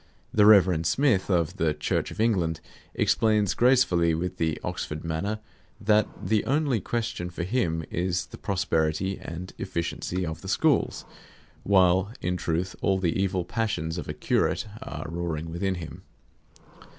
The Rev. Smith, of the Church of England, explains gracefully, with the Oxford manner, that the only question for him is the prosperity and efficiency of the schools; while in truth all the evil passions of a curate are roaring within him.